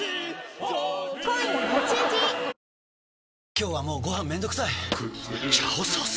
今日はもうご飯めんどくさい「炒ソース」！？